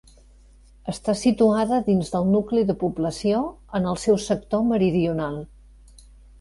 Està situada a dins del nucli de població, en el seu sector meridional.